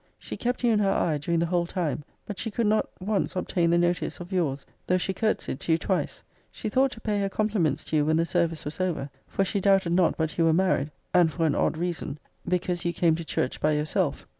She kept you in her eye during the whole time; but could not once obtain the notice of your's, though she courtesied to you twice. She thought to pay her compliments to you when the service was over, for she doubted not but you were married >>> and for an odd reason because you came to church by yourself.